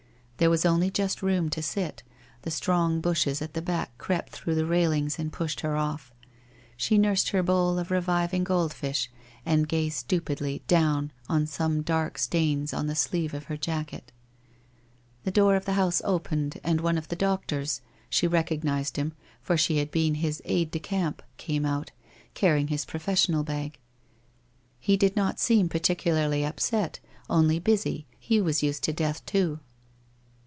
There was only just room to sit, the strong bushes at the back crept through the railings and pushed her off. She nursed her bowl of reviving gold fish and gazed stupidly down on some dark stains on the sleeve of her jacket. The door of the house opened and one of the doctors — she recognized him, for she had been his aide de camp —■ came out, carrying his professional bag. He did not seem particularly upset, only busy, he was used to death too.